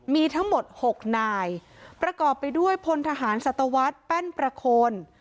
มีทั้งหมด๖นายประกอบไปด้วยพลทหารสัตวรรษแป้นประโคน